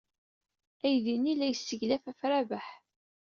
Aydi-nni la yesseglaf ɣef Rabaḥ.